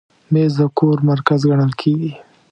مېز د کور مرکز ګڼل کېږي.